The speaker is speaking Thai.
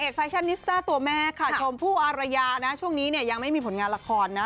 กว่าระยานะช่วงนี้ยังไม่มีผลงานละครนะ